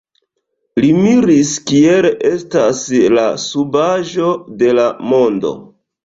Li miris kiel estas la subaĵo de la mondo.